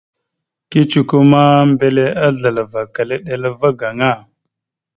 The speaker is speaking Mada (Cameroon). Kecəkwe ma, mbelle azləlavakal eɗela va gaŋa.